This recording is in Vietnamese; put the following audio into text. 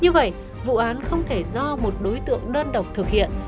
như vậy vụ án không thể do một đối tượng đơn độc thực hiện